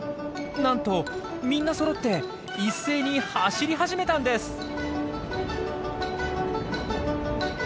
なんとみんなそろって一斉に走り始めたんです！